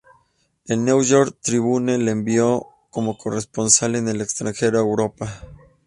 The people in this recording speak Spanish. El "New York Tribune" la envió como corresponsal en el extranjero a Europa.